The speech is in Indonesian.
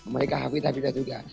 mereka hafidz hafidzah juga